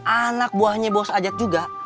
anak buahnya bos ajak juga